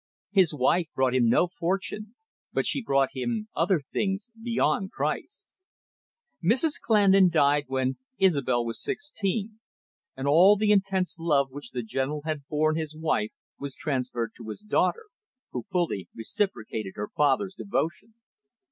His wife brought him no fortune, but she brought him other things beyond price. Mrs Clandon died when Isobel was sixteen, and all the intense love which the General had borne his wife was transferred to his daughter, who fully reciprocated her father's devotion.